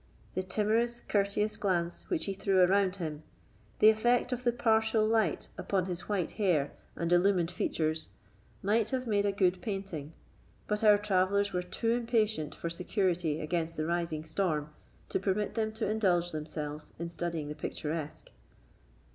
The timorous, courteous glance which he threw around him, the effect of the partial light upon his white hair and illumined features, might have made a good painting; but our travellers were too impatient for security against the rising storm to permit them to indulge themselves in studying the picturesque.